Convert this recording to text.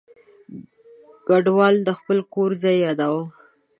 کډوال د خپل کور ځای یاداوه.